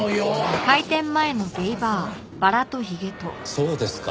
そうですか。